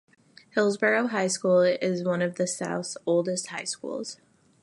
Hillsborough High School is one of the South's oldest high schools.